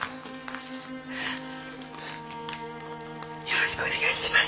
よろしくお願いします。